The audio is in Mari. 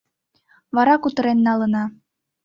Вара кутырен налына.